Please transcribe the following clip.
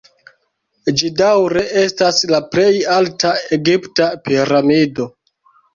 Ĝi daŭre estas la plej alta egipta piramido.